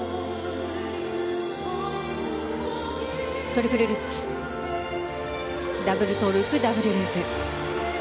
トリプルルッツダブルトウループダブルループ。